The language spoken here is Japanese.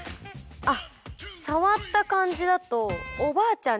あっ触った感じだとおばあちゃん